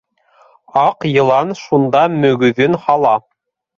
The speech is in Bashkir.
Аҡ йылан шунда мөгөҙөн һала.